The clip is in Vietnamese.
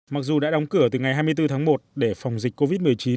mặc dù đã đóng cửa từ ngày hai mươi bốn tháng một để phòng dịch covid một mươi chín